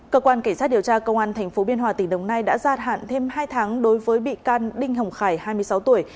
cơ quan cảnh sát điều tra công an tp biên hòa tỉnh đồng nai đã gia hạn thêm hai tháng đối với bị can đinh hồng khải hai mươi sáu tuổi